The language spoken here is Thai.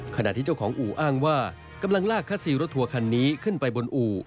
ขณะที่เจ้าของอู่อ้างว่ากำลังลากคัสซีรถทัวร์คันนี้ขึ้นไปบนอู่